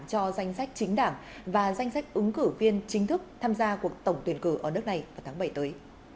cho danh sách chính đảng và danh sách ứng cử viên chính thức tham gia cuộc tổng tuyển cử ở nước này vào tháng bảy tới